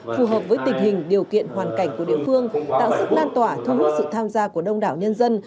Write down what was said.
phù hợp với tình hình điều kiện hoàn cảnh của địa phương tạo sức lan tỏa thu hút sự tham gia của đông đảo nhân dân